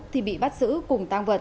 thì bị bắt giữ cùng tàng vật